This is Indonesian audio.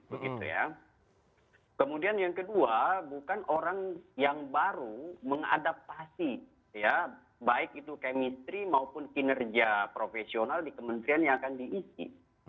begitu ya kemudian yang kedua bukan orang yang baru mengadaptasi ya baik itu chemistry maupun kinerja profesional di kementerian yang akan diisi